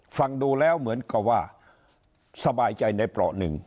ฟังดูแล้วเหมือนกับว่าสบายใจในเปราะหนึ่ง